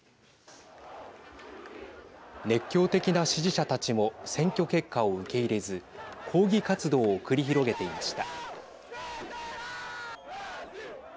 熱狂的な支持者たちも選挙結果を受け入れず抗議活動を繰り広げていました。